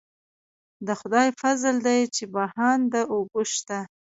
د خدای فضل دی چې بهانده اوبه شته.